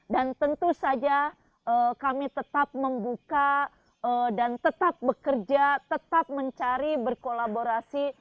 dan tentu saja kami tetap membuka dan tetap bekerja tetap mencari berkolaborasi